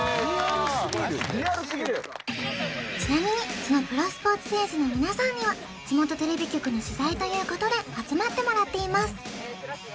ちなみにそのプロスポーツ選手の皆さんには地元テレビ局の取材ということで集まってもらっています